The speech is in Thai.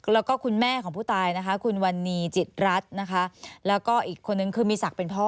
แล้วก็คุณแม่ของผู้ตายนะคะคุณวันนี้จิตรัฐนะคะแล้วก็อีกคนนึงคือมีศักดิ์เป็นพ่อ